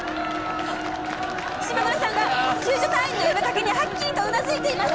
島村さんが救助隊員の呼びかけにはっきりとうなずいています。